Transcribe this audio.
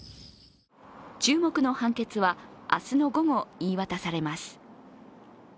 注目の判決は明日の午後、言い渡されます。